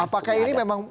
apakah ini memang